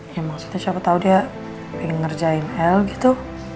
yang maksudnya siapa tahu dia ingin ngerjain el gitu